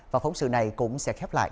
và phóng sự này cũng sẽ khép lại